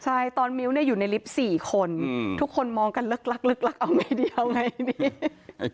ใช่ตอนมิ้วอยู่ในลิฟต์๔คนทุกคนมองกันลึกลักเอาไม่เดียวไงพี่